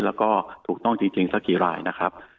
แล้วก็ถูกต้องจริงสักกี่รายนะครับ